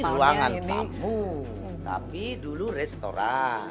ruangan tamu tapi dulu restoran